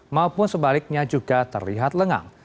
maupun sebaliknya juga terlihat lengang